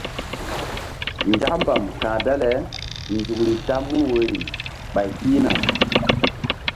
Nzak mbam ka̧h dale nzukri ta mun woyri ɓay pihna.